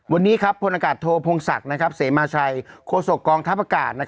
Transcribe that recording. วันนี้พลอากาศโทพงศักดิ์เสมาชัยโฆษกองทัพอากาศ